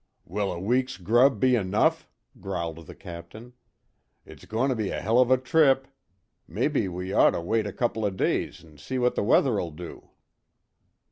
"Will a week's grub be enough?" growled the Captain, "It's goin' to be a hell of a trip. Mebbe we'd ort to wait a couple o' days an' see what the weather'll do."